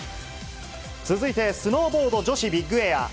続いてスノーボード女子ビッグエア。